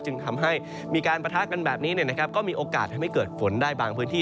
จึงทำให้มีการประทักกันแบบนี้เนี่ยนะครับก็มีโอกาสให้ไม่เกิดฝนได้บางพื้นที่